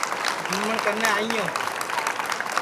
جیمٹؔ کرنے آئی یو